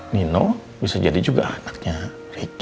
nino bisa jadi juga anaknya ricky